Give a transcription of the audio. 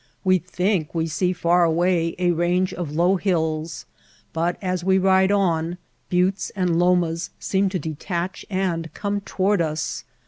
We think we see far away a range of low hills, but, as we ride on, buttes and lomas seem to detach and come toward us.